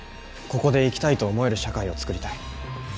ここで生きたいと思える社会を作りたい。